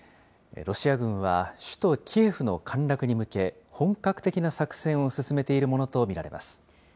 ロシア軍は、首都キエフの陥落に向け、本格的な作戦を進めているものと見られます。